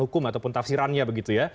hukum ataupun tafsirannya begitu ya